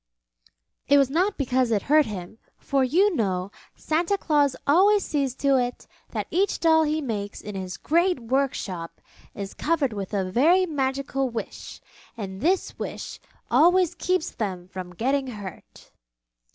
It was not because it hurt him, for you know Santa Claus always sees to it that each doll he makes in his great workshop is covered with a very magical Wish, and this Wish always keeps them from getting hurt.